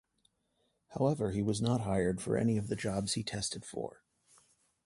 However he was not hired for any of the jobs he tested for.